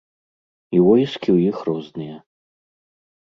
І войскі ў іх розныя.